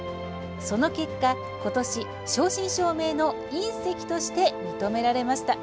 その結果、今年、正真正銘の隕石として認められました。